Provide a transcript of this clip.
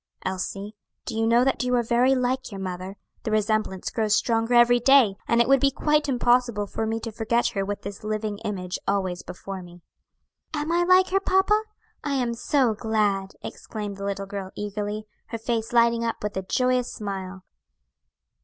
Elsie, do you know that you are very like your mother? the resemblance grows stronger every day; and it would be quite impossible for me to forget her with this living image always before me." "Am I like her, papa? I am so glad!" exclaimed the little girl eagerly, her face lighting up with a joyous smile.